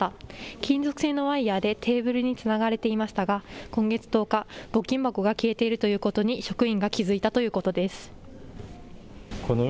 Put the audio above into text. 金属製のワイヤーでテーブルにつながれていましたが今月１０日募金箱が消えているということに職員が気付いたということです。